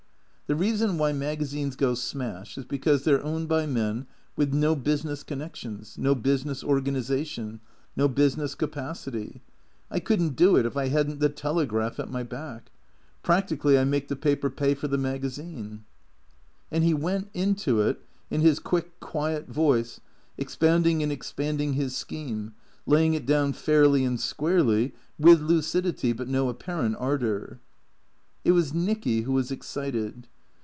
The reason why magazines go smash is because they 're owned by men with no business connections, no business organi zation, no business capacity. I could n't do it if I had n't the ' Telegraph ' at my back. Practically I make the paper pay for the magazine." And he went into it, in his quick, quiet voice, expounding and expanding his scheme, laying it down fairly and squarely, with lucidity but no apparent ardour. It was Nicky who was excited.